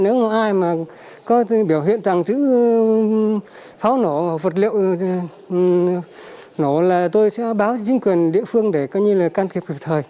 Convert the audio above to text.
nếu không ai mà có thể biểu hiện rằng chữ pháo nổ vật liệu nổ là tôi sẽ báo chính quyền địa phương để coi như là can thiệp hiệp thời